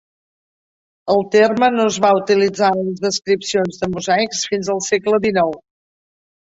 El terme no es va utilitzar en les descripcions de mosaics fins al segle XIX.